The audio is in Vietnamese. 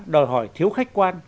đòi hỏi thiếu khách quan